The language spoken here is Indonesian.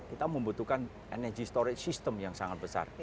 kita membutuhkan energy storage system yang sangat besar